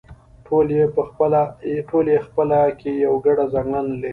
ټول یې خپله کې یوه ګډه ځانګړنه لري